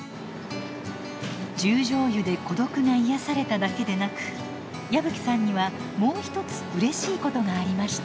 十條湯で孤独が癒やされただけでなく矢吹さんにはもう一つうれしいことがありました。